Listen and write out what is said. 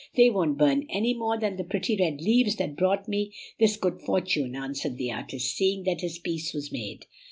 They won't burn any more than the pretty red leaves that brought me this good fortune," answered the artist, seeing that his peace was made.